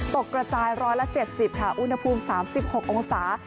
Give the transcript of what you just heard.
ตกระจายร้อยละ๗๐ค่ะอุณหภูมิ๓๖องศา